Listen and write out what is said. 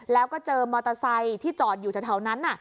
แล้วก็เจอมอเตอร์ไซค์ที่จอดอยู่แถวนั้น